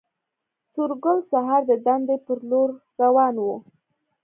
سورګل سهار د دندې پر لور روان و